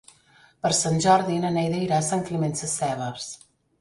Per Sant Jordi na Neida irà a Sant Climent Sescebes.